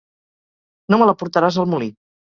No me la portaràs al molí.